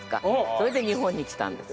それで日本に来たんです。